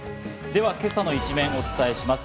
では、今朝の一面お伝えします。